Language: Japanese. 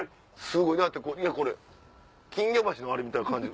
すごいだってこれ金魚鉢のあれみたいな感じ。